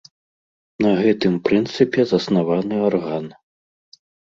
На гэтым прынцыпе заснаваны арган.